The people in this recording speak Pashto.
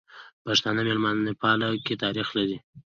پښتانه ميلمه پالنې کی تاریخ لري.